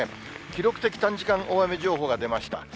記録的短時間大雨情報が出ました。